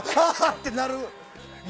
ってなる。